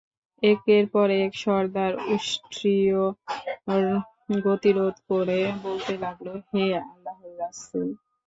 একের পর এক সর্দার উষ্ট্রীর গতিরোধ করে বলতে লাগল, হে আল্লাহর রাসূল!